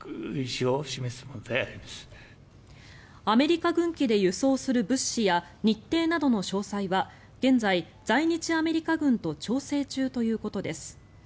アメリカ軍機で輸送する物資や日程などの詳細は現在、在日アメリカ軍と調整中ということです。